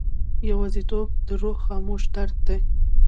یوازیتوب د روح خاموش درد دی.